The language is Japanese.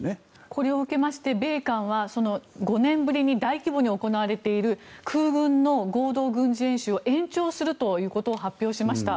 これを受けまして米韓は５年ぶりに大規模に行われている空軍の合同軍事演習を延長するということを発表しました。